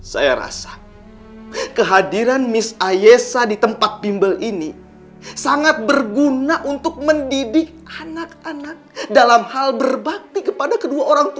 saya rasa kehadiran mis aesa di tempat bimbel ini sangat berguna untuk mendidik anak anak dalam hal berbakti kepada kedua orang tua